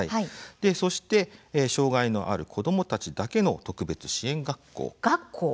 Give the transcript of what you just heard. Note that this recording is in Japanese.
そして障害のある子どもたちだけの特別支援学校。